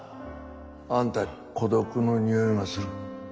あんた孤独のにおいがする。